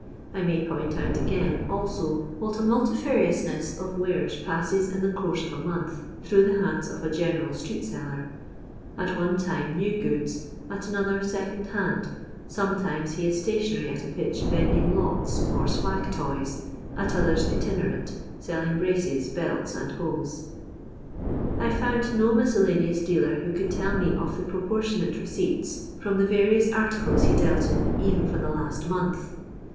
I may point out again, also, what a multi&riousness of wares passes in the course of a month through the hands of a general street seller ; at one time new goods, at another second hand ; sometimes he is stationary at a pitch vending " lots," or ''swag toys;" at others itinerant, selling braces, belts, and hose. I found no miscellaneous dealer who could tell me of the proportionate receipts from the various articles he dealt in even for the last month.